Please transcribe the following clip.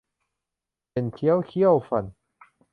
เข่นเขี้ยวเคี้ยวฟัน